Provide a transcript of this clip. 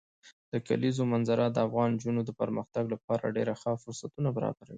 د کلیزو منظره د افغان نجونو د پرمختګ لپاره ډېر ښه فرصتونه برابروي.